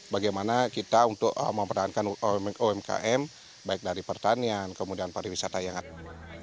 bagaimana kita untuk mempertahankan umkm baik dari pertanian kemudian pariwisata yang ada